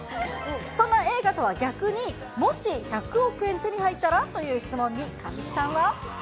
そんな映画とは逆に、もし１００億円手に入ったら？という質問に、神木さんは。